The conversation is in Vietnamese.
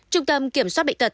trung tâm kiểm soát bệnh tật